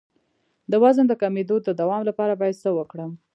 د وزن د کمیدو د دوام لپاره باید څه وکړم؟